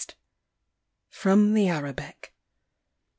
FROM THE ARABIC.